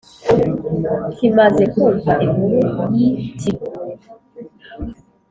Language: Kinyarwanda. nk’imaze kumva inkuru y’i Tiri.